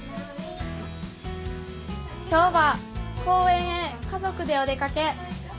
今日は公園へ家族でお出かけ。